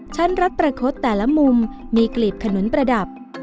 รัดประคดแต่ละมุมมีกลีบขนุนประดับ